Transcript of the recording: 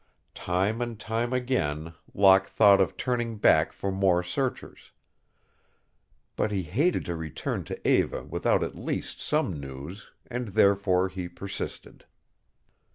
Time and time again Locke thought of turning back for more searchers. But he hated to return to Eva without at least some news, and therefore he persisted.